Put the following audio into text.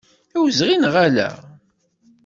D awezɣi, neɣ ala?